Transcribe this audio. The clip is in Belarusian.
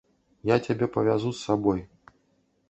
Я цябе павязу з сабой.